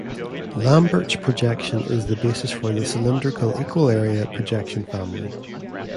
Lambert's projection is the basis for the cylindrical equal-area projection family.